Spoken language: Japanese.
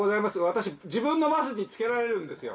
私自分のバスに付けられるんですよ。